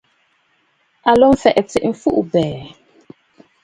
Aa lǒ fɛ̀ʼ̀ɛ̀ tsiʼi a mfuʼubɛ̀ɛ̀.